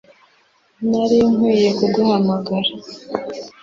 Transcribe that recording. Nari nkwiye kuguhamagara